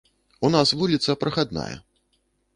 У нас вуліца прахадная.